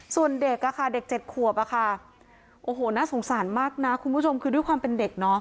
ส่วนเด็กค่ะเด็ก๗ขวบอะค่ะโอ้โหน่าสงสารมากนะคุณผู้ชมคือด้วยความเป็นเด็กเนอะ